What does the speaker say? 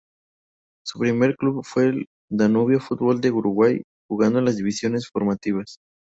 Su primer club fue Danubio Fútbol Club de Uruguay, jugando en las divisionales formativas.